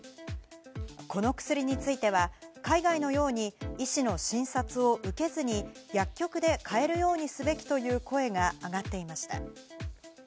この薬については、海外のように医師の診察を受けずに薬局で買えるようにすべきという声が上がっていました。